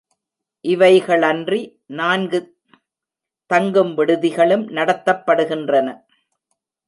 இவைகளன்றி நான்கு தங்கும் விடுதிகளும் நடத்தப்படுகின்றன.